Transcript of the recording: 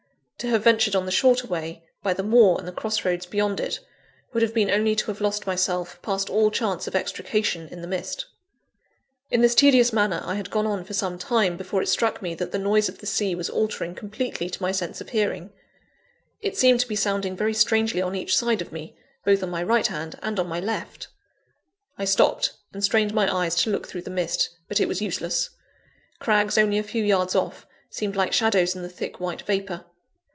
To have ventured on the shorter way, by the moor and the cross roads beyond it, would have been only to have lost myself past all chance of extrication, in the mist. In this tedious manner I had gone on for some time, before it struck me that the noise of the sea was altering completely to my sense of hearing. It seemed to be sounding very strangely on each side of me both on my right hand and on my left. I stopped and strained my eyes to look through the mist, but it was useless. Crags only a few yards off, seemed like shadows in the thick white vapour.